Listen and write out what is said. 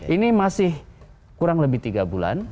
ini masih kurang lebih tiga bulan